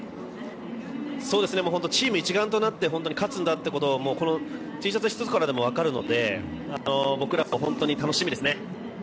チーム一丸となって勝つんだということがこのＴシャツ１つからでも分かるので僕らも本当に楽しみですね。